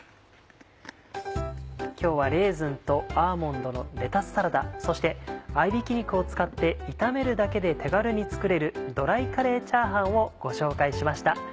今日は「レーズンとアーモンドのレタスサラダ」そして合びき肉を使って炒めるだけで手軽に作れる「ドライカレーチャーハン」をご紹介しました。